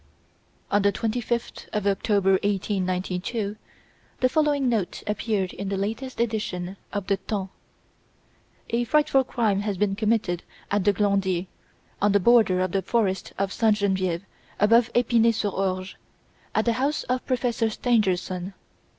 On the 25th of October, 1892, the following note appeared in the latest edition of the "Temps": "A frightful crime has been committed at the Glandier, on the border of the forest of Sainte Genevieve, above Epinay sur Orge, at the house of Professor Stangerson.